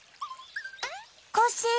コッシー。